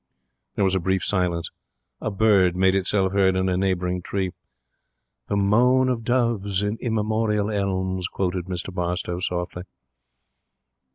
There was a brief silence. A bird made itself heard in a neighbouring tree. '"The moan of doves in immemorial elms,"' quoted Mr Barstowe, softly.